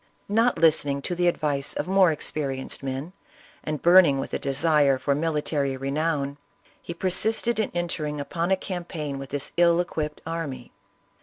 Not listening to the advice of more experienced men, and burning with a desire for mili tary renown, he persisted in entering upon a campaign with this ill equipped army.